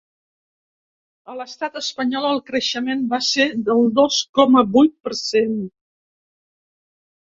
A l’estat espanyol, el creixement va ser del dos coma vuit per cent.